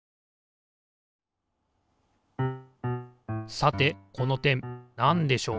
さてこの点なんでしょう？